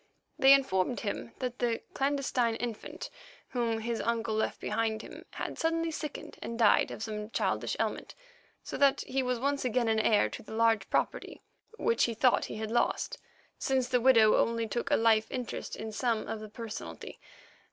They informed him that the clandestine infant whom his uncle left behind him had suddenly sickened and died of some childish ailment, so that he was once again heir to the large property which he thought he had lost, since the widow only took a life interest in some of the personalty.